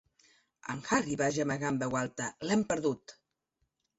En Harry va gemegar en veu alta; l'hem perdut.